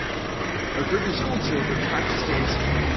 A group of school children practice dancing.